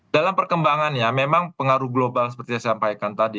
dalam perkembangannya memang pengaruh global seperti yang saya sampaikan tadi